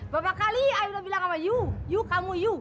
berapa kali ayah udah bilang sama you you kamu you